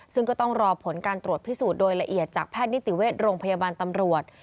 ซึ่งก็ต้องรอผลการตรวจพิสูจน์โดยละเอียดจากแพทย์นิติเวชโรงพยาบาลตำรวจ